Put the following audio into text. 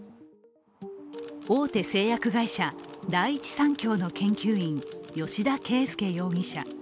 大手製薬会社、第一三共の研究員、吉田佳右容疑者。